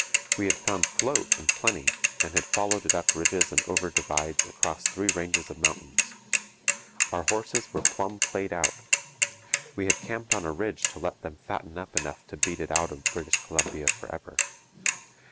We had found "float" in plenty, and had followed it up ridges and over divides across three ranges of mountains. Our horses were plumb played out. We had camped on a ridge to let them fatten up enough to beat it out of British Columbia for ever.